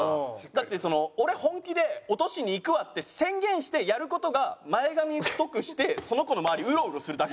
だって「俺本気で落としにいくわ」って宣言してやる事が前髪太くしてその子の周りうろうろするだけなんですよ。